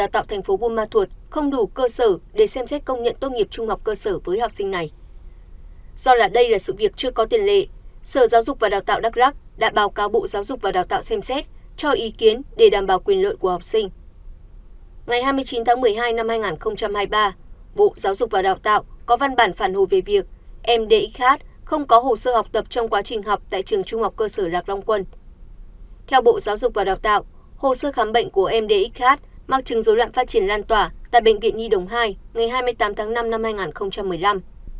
theo bộ giáo dục và đào tạo hồ sơ khám bệnh của mdxh mắc chứng dối loạn phát triển lan tỏa tại bệnh viện nhi đồng hai ngày hai mươi tám tháng năm năm hai nghìn một mươi năm